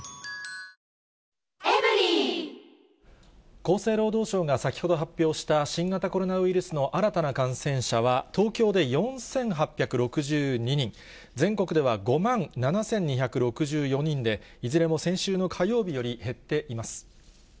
厚生労働省が先ほど発表した新型コロナウイルスの新たな感染者は、東京で４８６２人、全国では５万７２６４人で、いずれも先週の火曜日より減っています。